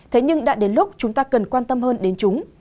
thế nhưng đã đến lúc chúng ta cần quan tâm hơn đến chúng